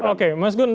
oke mas gun